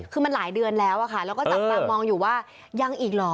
คือมันหลายเดือนแล้วอะค่ะแล้วก็จับตามองอยู่ว่ายังอีกเหรอ